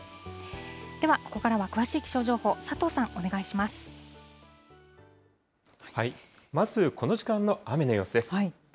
では、ここからは詳しい気象情報、まずこの時間の雨の様子です。